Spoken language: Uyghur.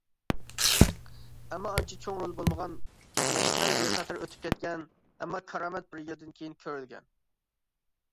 ئەمما ئانچە چوڭ رولى بولمىغان، مەشئەل بىخەتەر ئۆتۈپ كەتكەن، ئەمما كارامەت بىر يىلدىن كېيىن كۆرۈلگەن.